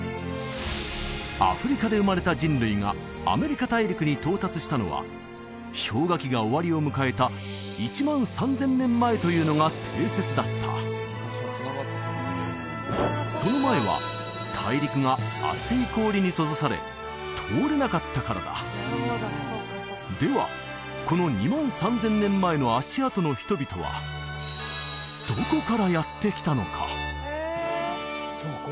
アフリカで生まれた人類がアメリカ大陸に到達したのは氷河期が終わりを迎えた１万３０００年前というのが定説だったその前は大陸が厚い氷に閉ざされ通れなかったからだではこの２万３０００年前の足跡の人々はどこからやって来たのか？